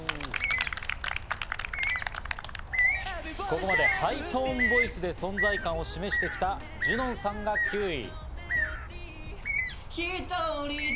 ここまでハイトーンボイスで存在感を示してきたジュノンさんが９位。